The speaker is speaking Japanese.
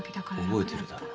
覚えてるだろ？